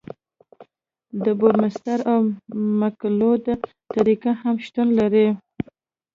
د بورمستر او مکلوډ طریقې هم شتون لري